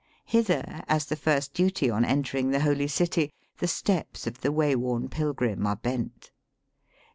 Hither, as the first duty on entering the holy city, the steps of the wayworn pilgrim are bent.